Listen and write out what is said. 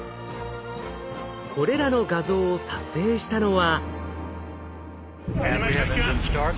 これらの画像を撮影したのは。